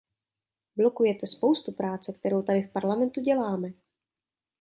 Blokujete spoustu práce, kterou tady v Parlamentu děláme.